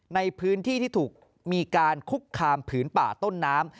ในพื้นที่ที่ถูกมีการคุกคามผืนป่าต้นน้ำ